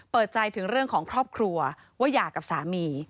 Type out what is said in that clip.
เปิดใจถึงเรื่องของครอบครัวว่าหย่ากับสามี